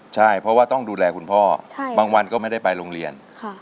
ใช่เพราะว่าต้องดูแลคุณพ่อบางวันก็ไม่ได้ไปโรงเรียน